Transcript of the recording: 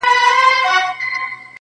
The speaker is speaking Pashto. شپه پخه سي چي ویدېږم غزل راسي٫